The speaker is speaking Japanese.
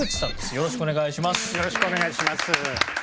よろしくお願いします。